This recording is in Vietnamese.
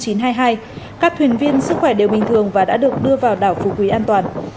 các thuyền viên sức khỏe đều bình thường và đã được đưa vào đảo phú quý an toàn